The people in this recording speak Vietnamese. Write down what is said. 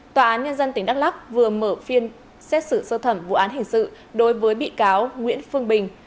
tòa án nhân dân tỉnh đắk lắc vừa mở phiên xét xử sơ thẩm vụ án hình sự đối với bị cáo nguyễn phương bình